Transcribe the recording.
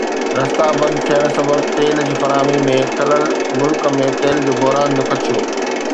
رستا بند ٿيڻ سبب تيل جي فراهمي ۾ خلل، ملڪ ۾ تيل بحران جو خدشو